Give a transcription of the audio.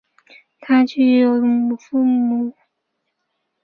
他具有母父各自的斯洛伐克人和日耳曼人血统。